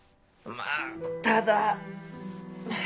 まぁただ。